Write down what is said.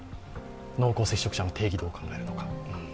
濃厚接触者の定義はどうなのか。